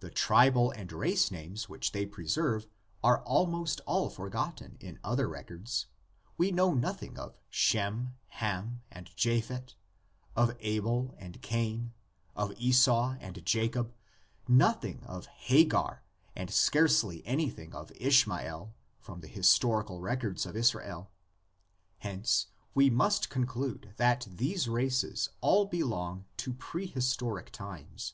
The tribal and race names which they preserve are almost all forgotten in other records: we know nothing of Shem, Ham, and Japhet, of Abel and Cain, of Esau and Jacob, nothing of Hagar and scarcely anything of Ishmael, from the historical records of Israel. Hence we must conclude that these races all belong to prehistoric times.